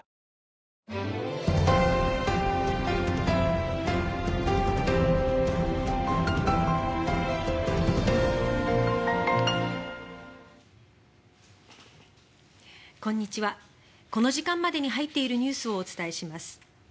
この時間までに入っているニュースをお伝えします。